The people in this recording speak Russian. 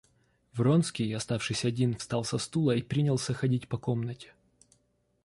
Вронский, оставшись один, встал со стула и принялся ходить по комнате.